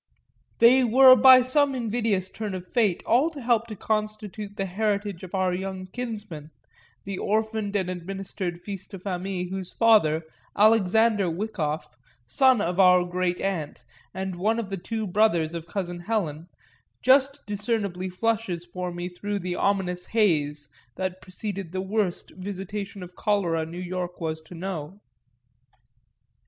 They were by some invidious turn of fate all to help to constitute the heritage of our young kinsman, the orphaned and administered fils de famille, whose father, Alexander Wyckoff, son of our great aunt and one of the two brothers of cousin Helen, just discernibly flushes for me through the ominous haze that preceded the worst visitation of cholera New York was to know.